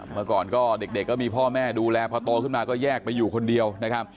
เมื่อก่อนก็เด็กก็มีพ่อแม่ดูแลพอโตขึ้นมาก็แยกไปอยู่คนเดียวนะครับ